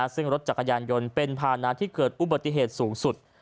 ซึ่งรถจักรยานยนต์เป็นภานะที่เกิดอุบัติเหตุสูงสุด